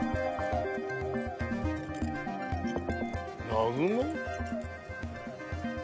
南雲？